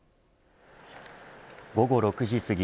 午後６時すぎ